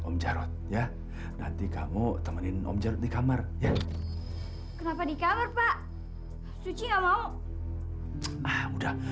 om jarod ya nanti kamu temenin om jarod dikamar ya kenapa dikamar pak suci enggak mau ah udah